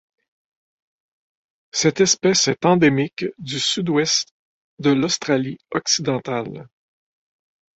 Cette espèce est endémique du Sud-Ouest de l'Australie-Occidentale.